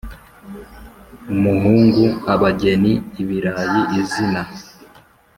Umuhungu Abageni Ibirayi Izina